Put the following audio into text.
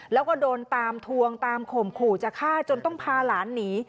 แล้วก็โดนตามทวงตามข่มขู่จะฆ่าจนต้องพาหลานหนี